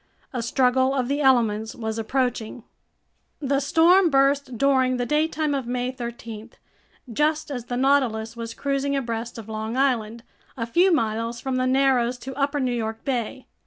A struggle of the elements was approaching. The storm burst during the daytime of May 13, just as the Nautilus was cruising abreast of Long Island, a few miles from the narrows to Upper New York Bay.